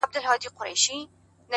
وخت د ژمنتیا کچه څرګندوي؛